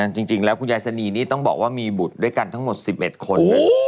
จริงแล้วคุณยายสนีนี่ต้องบอกว่ามีบุตรด้วยกันทั้งหมด๑๑คนนะ